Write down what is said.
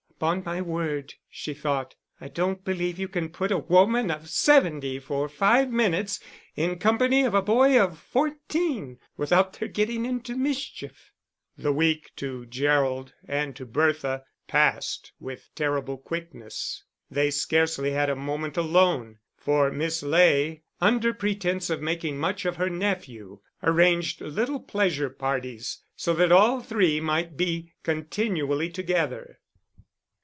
"Upon my word," she thought, "I don't believe you can put a woman of seventy for five minutes in company of a boy of fourteen without their getting into mischief." The week to Gerald and to Bertha passed with terrible quickness. They scarcely had a moment alone, for Miss Ley, under pretence of making much of her nephew, arranged little pleasure parties, so that all three might be continually together.